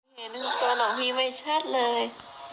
เห็นตัวน้องพี่ไม่ชัดเลย